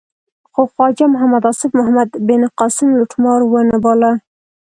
خو خواجه محمد آصف محمد بن قاسم لوټمار و نه باله.